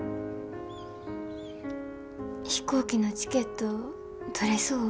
飛行機のチケット取れそう？